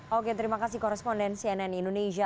oke terima kasih koresponden cnn indonesia